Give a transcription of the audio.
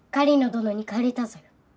どのに借りたぞよ。